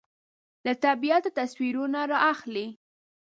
له طبیعته تصویرونه رااخلي